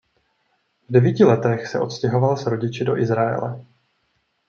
V devíti letech se odstěhoval s rodiči do Izraele.